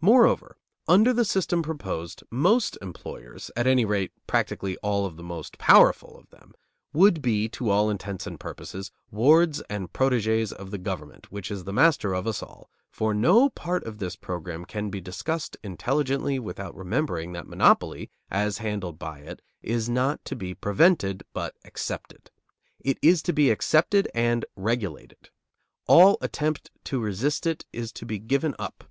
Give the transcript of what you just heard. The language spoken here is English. Moreover, under the system proposed, most employers, at any rate, practically all of the most powerful of them, would be, to all intents and purposes, wards and protégés of the government which is the master of us all; for no part of this program can be discussed intelligently without remembering that monopoly, as handled by it, is not to be prevented, but accepted. It is to be accepted and regulated. All attempt to resist it is to be given up.